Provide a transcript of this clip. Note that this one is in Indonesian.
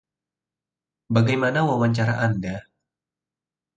Bagaimana wawancara Anda?